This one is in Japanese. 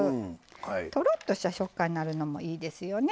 とろっとした食感になるのもいいですよね。